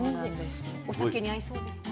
お酒に合いそうですか？